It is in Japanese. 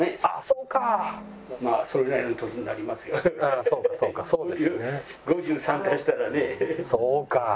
ああそうかそうか。